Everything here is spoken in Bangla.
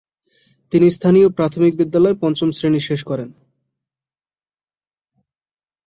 তিনি স্থানীয় প্রাথমিক বিদ্যালয়ে পঞ্চম শ্রেণি শেষ করেন।